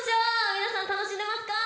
皆さん、楽しんでますか？